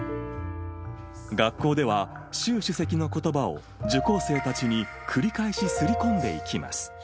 学校では、習主席のことばを受講生たちに繰り返しすり込んでいきます。